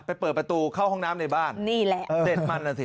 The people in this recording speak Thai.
เปิดประตูเข้าห้องน้ำในบ้านนี่แหละเด็ดมันอ่ะสิ